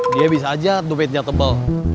dia bisa aja duitnya tebal